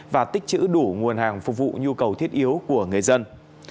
và tích chữ đủ nguồn hàng phục vụ nhu cầu thiết yếu của người dân